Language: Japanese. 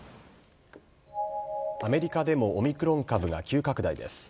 アメリカでもオミクロン株が急拡大です。